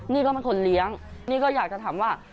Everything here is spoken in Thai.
นี่ก็เป็นคนเลี้ยงนี่ก็อยากจะถามว่า